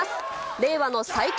令和の最強